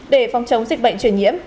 để phòng chống dịch bệnh chuyển nhiễm